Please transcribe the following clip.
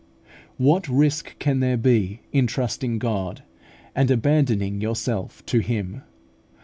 What risk can there be in trusting God, and abandoning yourself to Him?